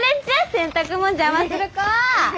洗濯物邪魔する子は！